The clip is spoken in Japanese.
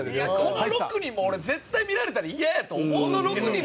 この６人も俺絶対見られたらイヤやと思うんですけどね。